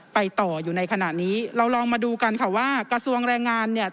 ไปต่ออยู่ในขณะนี้เราลองมาดูกันค่ะว่ากระทรวงแรงงานเนี่ย